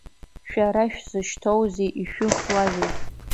Шәара шәзышьҭоузеи, ишәыхьуазеи?